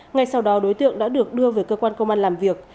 ngay sau đó đối tượng đã được đưa về cơ quan công an làm việc